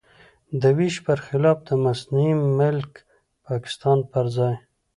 د وېش پر خلاف د مصنوعي ملک پاکستان پر ځای.